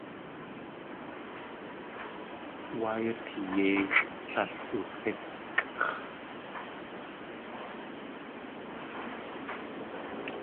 Wáa yateeyi yéixʼ tlél oog̲íkʼx̲.